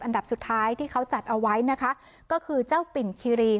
อันดับสุดท้ายที่เขาจัดเอาไว้นะคะก็คือเจ้าปิ่นคีรี